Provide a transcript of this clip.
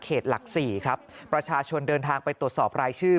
หลักสี่ครับประชาชนเดินทางไปตรวจสอบรายชื่อ